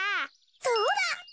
そうだ！